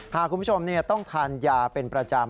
หากคุณผู้ชมต้องทานยาเป็นประจำ